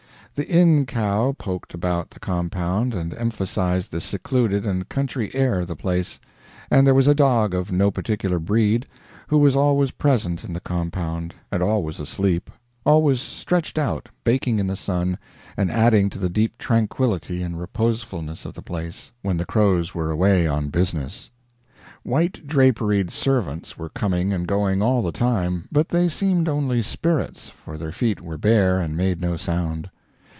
The inn cow poked about the compound and emphasized the secluded and country air of the place, and there was a dog of no particular breed, who was always present in the compound, and always asleep, always stretched out baking in the sun and adding to the deep tranquility and reposefulness of the place, when the crows were away on business. White draperied servants were coming and going all the time, but they seemed only spirits, for their feet were bare and made no sound.